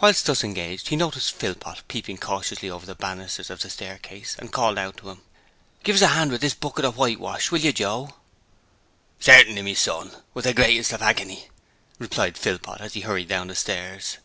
Whilst thus engaged he noticed Philpot peeping cautiously over the banisters of the staircase, and called out to him: 'Give us a hand with this bucket of whitewash, will yer, Joe?' 'Certainly, me son, with the greatest of hagony,' replied Philpot as he hurried down the stairs.